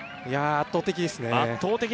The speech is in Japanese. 圧倒的ですね